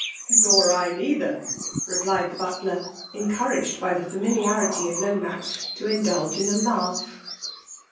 '* Nor I neither V' replied the buder, enoba ^ taged by the familiarity of Loroax to indul^ in a laugh.